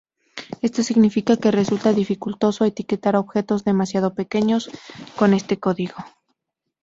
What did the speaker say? Esto significa que resulta dificultoso etiquetar objetos demasiado pequeños con este código.